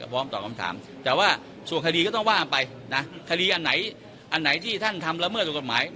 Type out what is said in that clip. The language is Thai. พร้อมตอบคำถามแต่ว่าส่วนคดีก็ต้องว่ากันไปนะคดีอันไหนอันไหนที่ท่านทำละเมิดสู่กฎหมาย